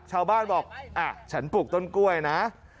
ชาวบ้านบอกฉันปลูกต้นกล้วยนะ